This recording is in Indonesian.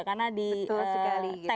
karena di tag gitu kali ya